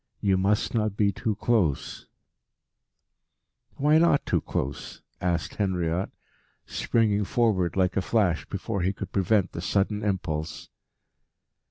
You must not be too close " "Why not too close?" asked Henriot, springing forward like a flash before he could prevent the sudden impulse.